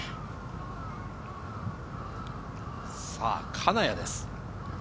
金谷です。